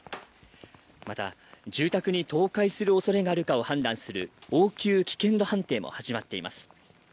また、住宅に倒壊するおそれがあるかを判断する応急危険度判定も始まっています。